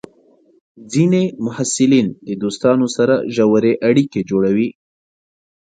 ځینې محصلین د دوستانو سره ژورې اړیکې جوړوي.